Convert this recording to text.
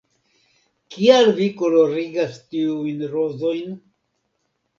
Kial vi kolorigas tiujn rozojn?